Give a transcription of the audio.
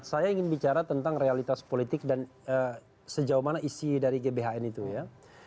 saya ingin bicara tentang realitas politik dan sejauh mana isi dari gbhn itu ya